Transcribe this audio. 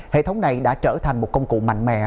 hệ thống này đã trở thành một công cụ mạnh mẽ